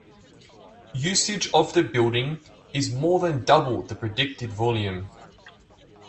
Usage of the building is more than double the predicted volume.